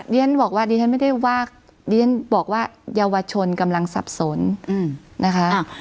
เดี๋ยวฉันบอกว่าเยาวชนกำลังสับสนนะคะ